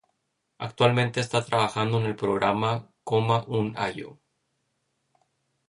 Actualmente está trabajando en el programa "Coma un allo".